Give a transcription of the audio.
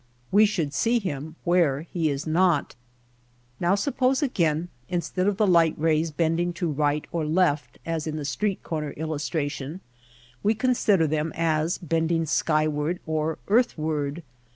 We should see him where he is not. Now suppose again instead of the light rays bending to right or left (as in the street corner illustration), we consider them as bending sky ward or earthward.